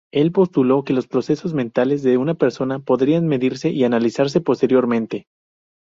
El postuló que los procesos mentales de una persona podrían medirse y analizarse posteriormente.